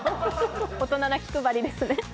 大人な気配りですね。